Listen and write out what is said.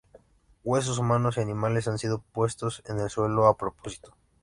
Huesos humanos y animales han sido puestos en el suelo a propósito.